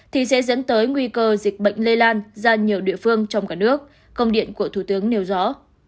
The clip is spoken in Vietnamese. thì sẽ dẫn tới nguy cơ dịch bệnh lây lan ra nhiều địa phương trong cả nước công điện của thủ tướng nêu rõ